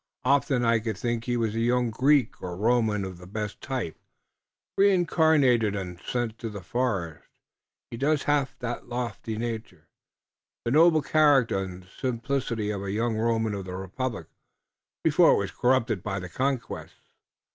Often I could think he was a young Greek or Roman of the best type, reincarnated und sent to the forest. He does haf the lofty nature, the noble character und simplicity of a young Roman of the republic, before it was corrupted by conquest.